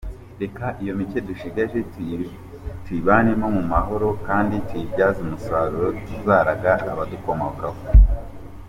Reka iyo mike dushigaje tuyibanemo mu mahoro kandi tuyibyaze umusaruro tuzaraga abadukomokaho.